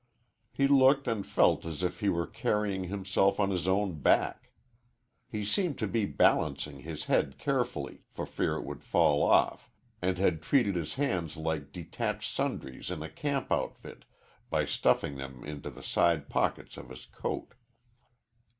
He looked and felt as if he were carrying himself on his own back. He seemed to be balancing his head carefully, for fear it would fall off, and had treated his hands like detached sundries in a camp outfit by stuffing them into the side pockets of his coat.